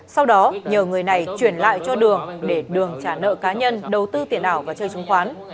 sau đó nhờ người này chuyển lại cho đường để đường trả nợ cá nhân đầu tư tiền ảo và chơi chứng khoán